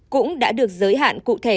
cũng đã được giới hạn cụ thể